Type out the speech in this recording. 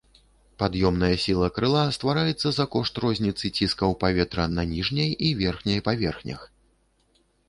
Пад'ёмная сіла крыла ствараецца за кошт розніцы ціскаў паветра на ніжняй і верхняй паверхнях.